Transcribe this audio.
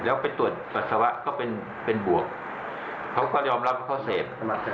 แล้วตรวจภาษาวะก็เป็นบวกเขาก็ได้รับวิภาพข้อเสพ